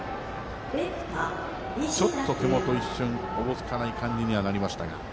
ちょっと手元、一瞬おぼつかない感じになりましたが。